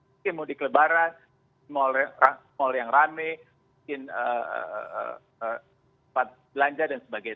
mungkin mudik lebaran mal yang rame mungkin belanja dan sebagainya